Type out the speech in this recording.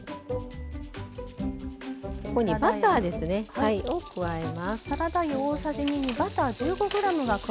ここにバターを加えます。